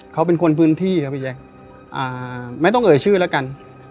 เขาเป็นคนพื้นที่ครับพี่แจ๊คไม่ต้องเอ่ยชื่อแล้วกัน